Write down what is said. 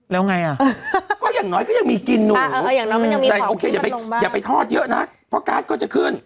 แล้วไงอ่ะก็อย่างน้อยก็ยังมีกลิ่นหนูอย่าไปทอดเยอะนะเพราะกาสก็จะขึ้น